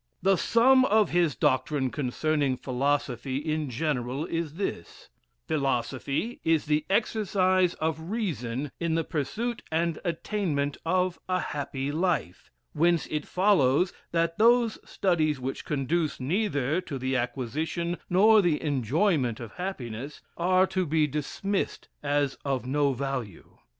"The sum of his doctrine concerning philosophy, in general, is this: Philosophy is the exercise of reason in the pursuit and attainment of a happy life; whence it follows, that those studies which conduce neither to the acquisition nor the enjoyment of happiness are to be dismissed as of no value.